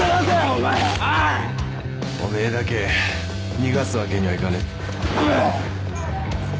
お前だけ逃がすわけにはいかねえ。